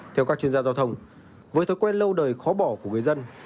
theo các chuyên gia giao thông với thói quen lâu đời khó bỏ của người dân